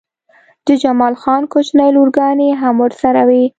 د جمال خان کوچنۍ لورګانې هم ورسره وې